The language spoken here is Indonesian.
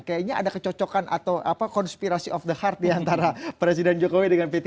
dan kayaknya ada kecocokan atau konspirasi of the heart diantara presiden jokowi dengan p tiga